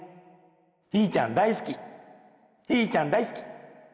「ヒーちゃん大好きヒーちゃん大好き」